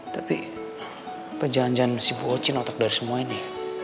tapi pejalan jalan si bocin otak dari semua ini